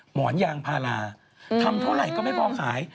หมอนยางพาราทำเท่าไหร่ก็ไม่พอขาย